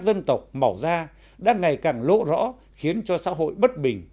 các dân tộc màu da đã ngày càng lỗ rõ khiến cho xã hội bất bình